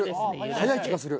速い気がする。